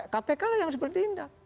kpk lah yang harus berdindak